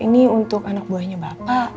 ini untuk anak buahnya bapak